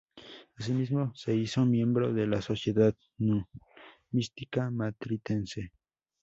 Asimismo se hizo miembro de la Sociedad Numismática Matritense.